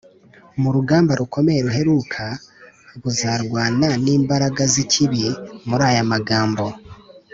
mu rugamba rukomeye ruheruka buzarwana n’imbaraga z’ikibi muri aya magambo: “